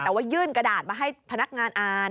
แต่ว่ายื่นกระดาษมาให้พนักงานอ่าน